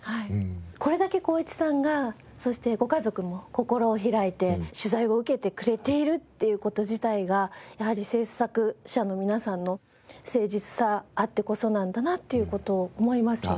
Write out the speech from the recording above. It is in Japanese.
これだけ航一さんがそしてご家族も心を開いて取材を受けてくれているという事自体がやはり制作者の皆さんの誠実さあってこそなんだなという事を思いますよね。